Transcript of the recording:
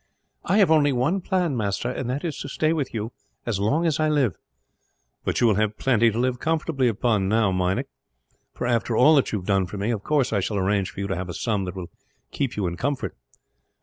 "I have only one plan, master, and that is to stay with you, as long as I live." "But you will have plenty to live comfortably upon now, Meinik. For, after all that you have done for me, of course I shall arrange for you to have a sum that will keep you in comfort."